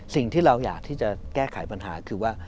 สิ่งที่เราอยากที่จะแก้ไขปัญหาคือว่า